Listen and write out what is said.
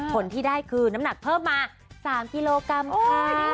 ผลที่ได้คือน้ำหนักเพิ่มมา๓กิโลกรัมค่ะ